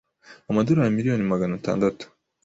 amadorari miliyoni magana tandatu.